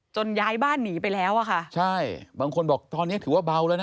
ย้ายบ้านหนีไปแล้วอ่ะค่ะใช่บางคนบอกตอนเนี้ยถือว่าเบาแล้วนะ